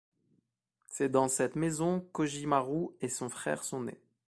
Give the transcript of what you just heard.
C'est dans cette maison qu'Ogimaru et son frère sont nés.